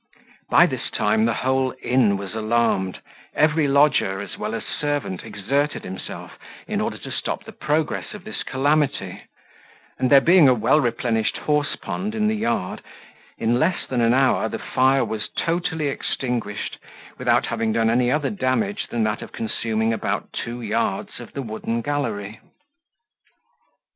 By this time the whole inn was alarmed; every lodger, as well as servant, exerted himself, in order to stop the progress of this calamity: and there being a well replenished horse pond in the yard, in less than an hour the fire was totally extinguished, without having done any other damage than that of consuming about two yards of the wooden gallery.